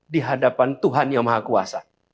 di hadapan tuhan yang maha kuasa